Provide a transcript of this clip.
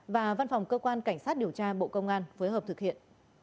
và văn phòng cơ quan cảnh sát điều tra bộ công an phối hợp thực hiện